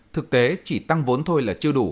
thực tế chỉ tăng vốn thôi là chưa đủ